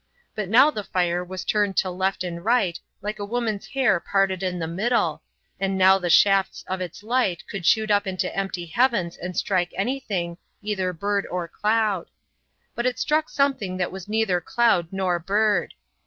But now the fire was turned to left and right like a woman's hair parted in the middle, and now the shafts of its light could shoot up into empty heavens and strike anything, either bird or cloud. But it struck something that was neither cloud nor bird.